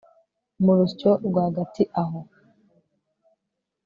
mu rusyo rwagati aho